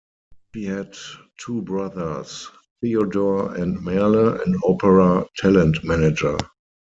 She had two brothers, Theodore and Merle, an opera talent manager.